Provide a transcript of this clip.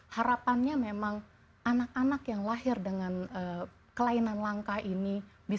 harapannya memang anak anak yang lahir dengan kelainan langka ini